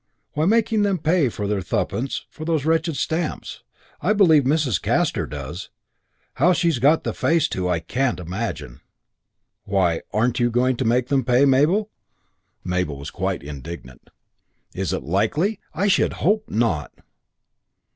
"Why, making them pay their thruppence for those wretched stamps. I believe Mrs. Castor does. How she's got the face to I can't imagine." "Why, aren't you going to make them pay, Mabel?" Mabel was quite indignant. "Is it likely? I should hope not!"